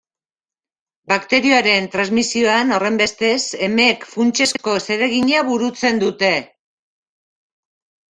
Bakterioaren transmisioan, horrenbestez, emeek funtsezko zeregina burutzen dute.